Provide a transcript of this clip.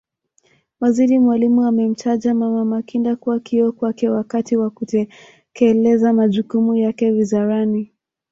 Waziri Mwalimu amemtaja Mama Makinda kuwa kioo kwake wakati wa kutekeleza majukumu yake Wizarani